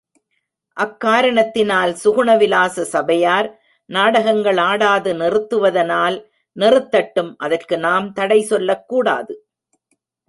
அக்காரணத்தினால் சுகுண விலாச சபையார், நாடகங்கள் ஆடாது நிறுத்துவதனால் நிறுத்தட்டும் அதற்கு நாம் தடை சொல்லக்கூடாது.